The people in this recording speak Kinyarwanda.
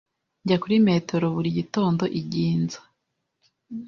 Njya kuri metero buri gitondo i Ginza.